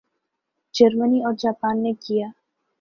جرمنی اور جاپان نے کیا